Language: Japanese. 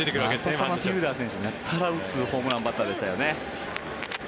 そのフィルダー選手やたら打つホームランバッターでしたよね。